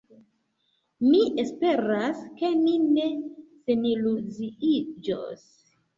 Mi esperas, ke mi ne seniluziiĝos.